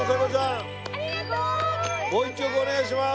もう一曲お願いします。